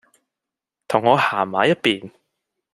同我行埋一便